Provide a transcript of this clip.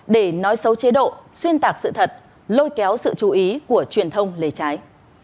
để nói xấu chế độ xuyên tạc sự thật lôi kéo sự chú ý của truyền thông lê trái